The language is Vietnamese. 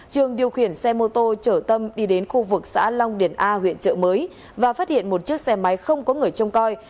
trường điều khiển xe mô tô chở tâm đi đến khu vực xã long điền a huyện trợ mới và phát hiện một chiếc xe máy không có người trông coi